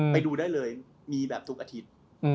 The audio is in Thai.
ไปดูได้เลยมีแบบทุกอาทิตย์